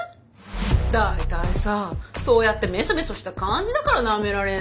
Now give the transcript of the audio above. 大体さそうやってメソメソした感じだからなめられんのよ。